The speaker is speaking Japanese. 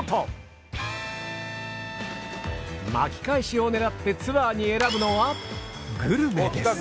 巻き返しを狙ってツアーに選ぶのはきた！